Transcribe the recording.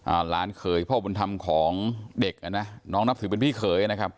หลานเขยพ่อบุญธรรมของเด็กอ่ะนะน้องนับถือเป็นพี่เขยนะครับ